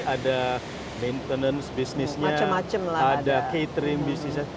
ada maintenance bisnisnya ada catering bisnisnya